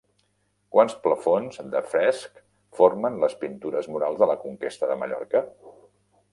Quants plafons de fresc formen les Pintures murals de la conquesta de Mallorca?